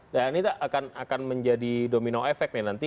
dan ini akan menjadi domino efek nih nanti